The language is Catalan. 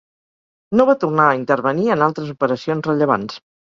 No va tornar a intervenir en altres operacions rellevants.